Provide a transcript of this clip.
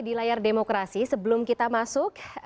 di layar demokrasi sebelum kita masuk